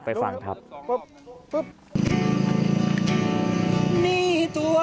ไปฟังครับปุ๊บ